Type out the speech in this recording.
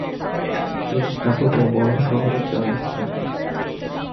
-ইস, ঠাকুরপো, বড় শহুরে চাল দিচ্ছ যে!